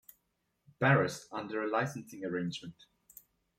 Barrus under a licensing arrangement.